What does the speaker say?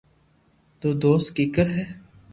تو دوست ڪيڪر ھي